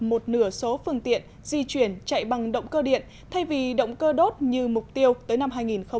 một số phương tiện đi chạy bằng độc cơ điện thay vì độc cơ đốt như mục tiêu tới năm hai nghìn ba mươi năm